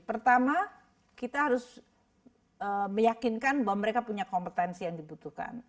pertama kita harus meyakinkan bahwa mereka punya kompetensi yang dibutuhkan